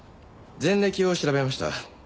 前歴を調べました。